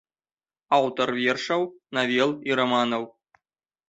Аўтар вершаў, навел і раманаў.